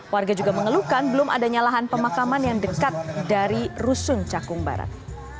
warga juga mengeluhkan belum adanya lahan pemakaman yang dekat dari rusun cakung barat